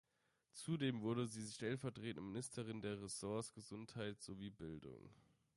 Zudem wurde sie stellvertretende Ministerin der Ressorts Gesundheit sowie Bildung.